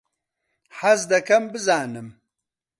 حەز دەکەم بزانم.